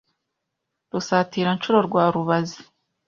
Rusatiranshuro rwa Rubazi